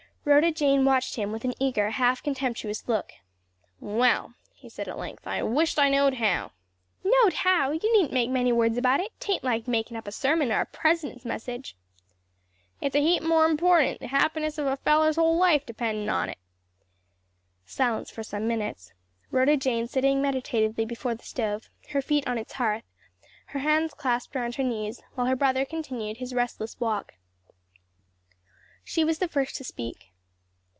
Rhoda Jane watched him with an eager, half contemptuous look. "Well!" he said at length, "I wisht I knowed how!" "Knowed how! you needn't make many words about it; 'tain't like makin' up a sermon or a president's message." "It's a heap more important; the happiness of a feller's whole life a dependin' onto it." Silence for some minutes, Rhoda Jane sitting meditatively before the stove, her feet on its hearth, her hands clasped round her knees, while her brother continued his restless walk. She was the first to speak.